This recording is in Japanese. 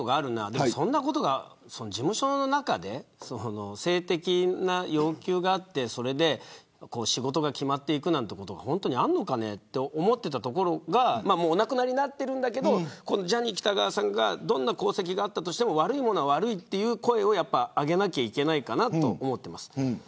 でもそんなことが事務所の中で性的な要求があって、それで仕事が決まっていくなんてことが本当にあるのかねと思っていたところがもうお亡くなりになっているけどジャニー喜多川さんがどんな功績があったとしても悪いものは悪いという声を上げなきゃいけないと思っています。